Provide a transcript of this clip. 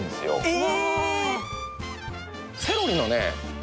え